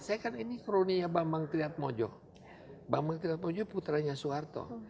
saya kan ini kroni nya bambang triadmojo bambang triadmojo puteranya soeharto